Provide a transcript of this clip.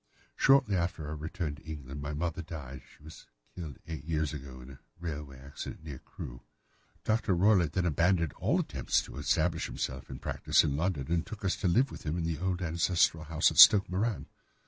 Shortly after our return to England my mother died—she was killed eight years ago in a railway accident near Crewe. Dr. Roylott then abandoned his attempts to establish himself in practice in London and took us to live with him in the old ancestral house at Stoke Moran.